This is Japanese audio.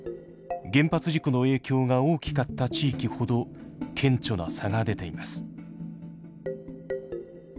原発事故の影響が大きかった地域ほど顕著な差が出ています。